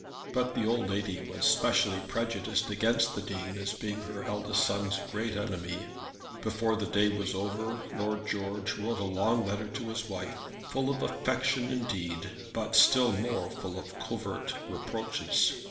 But the old lady was specially prejudiced against the Dean as being her eldest son's great enemy. Before the day was over Lord George wrote a long letter to his wife, full of affection indeed, but still more full of covert reproaches.